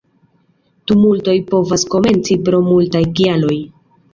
Tumultoj povas komenci pro multaj kialoj.